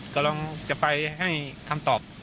กำลังจะไปให้คำตอบ